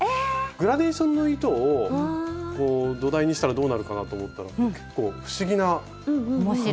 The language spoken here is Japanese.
グラデーションの糸を土台にしたらどうなるかなと思ったら結構不思議な感じになったんです。